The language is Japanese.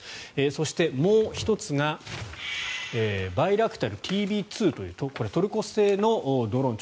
そして、もう１つがバイラクタルＴＢ２というこれはトルコ製のドローン。